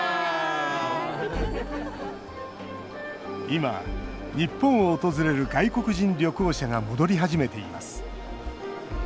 今、日本を訪れる外国人旅行者が戻り始めています。